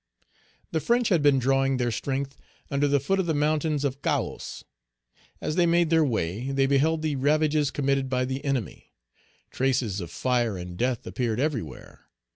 The French had been drawing their strength under the foot of the mountains of Cahos. As they made their way, they beheld the ravages committed by the enemy. Traces of fire and death appeared everywhere.